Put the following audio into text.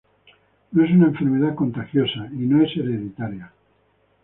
No es una enfermedad contagiosa y no es hereditaria.